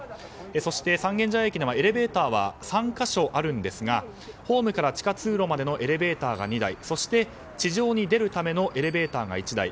そして、三軒茶屋駅にはエレベーターは３か所あるんですがホームから地下通路からのエレベーターが２台そして、地上に出るためのエレベーターが１台。